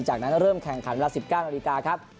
จากนั้นเริ่มแข่งขันเวลา๑๙นาฬิกาครับ